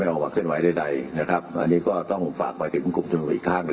มีศาสตราจารย์พิเศษวิชามหาคุณเป็นประเทศด้านกรวมความวิทยาลัยธรม